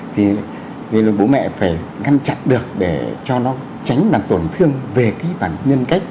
thì bố mẹ phải ngăn chặn được để cho nó tránh làm tổn thương về cái bản nhân cách